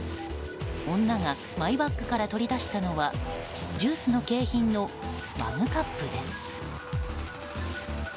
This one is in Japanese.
女がマイバッグから取り出したのはジュースの景品のマグカップです。